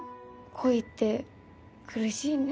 恋って苦しいね。